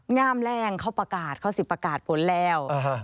งามแรงเขาประกาศเขาสิประกาศผลแล้ว